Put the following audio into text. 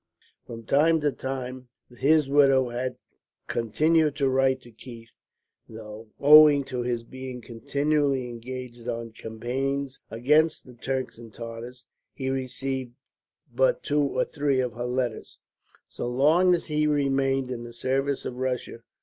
From time to time his widow had continued to write to Keith; though, owing to his being continually engaged on campaigns against the Turks and Tartars, he received but two or three of her letters, so long as he remained in the service of Russia.